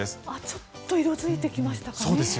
ちょっと色付いてきましたかね。